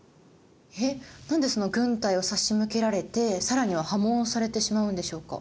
えっ何で軍隊を差し向けられて更には破門されてしまうんでしょうか。